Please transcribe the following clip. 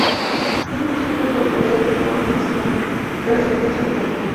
Tiene muchas otras propiedades que aún no se han revelado en su totalidad.